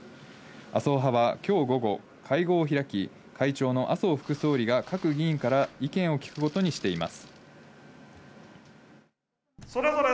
麻生派は今日午後、会合を開き、会長の麻生副総理が各議員から意見を聞くことにしています。